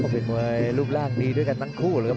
เป็นมวยรูปร่างดีด้วยกันทั้งคู่เลยครับ